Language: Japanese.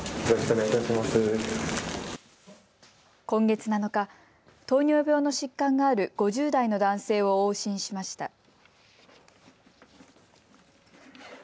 今月７日、糖尿病の疾患がある５０代の男性を往診しました。